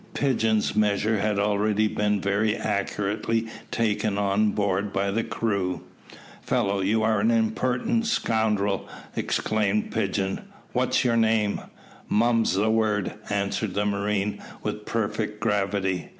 Pigeon's measure had already been very accurately taken on board by the crew. "Fellow, you are an impertinent scoundrel," exclaimed Pigeon. "What's your name?" "Mum's the word," answered the marine, with perfect gravity.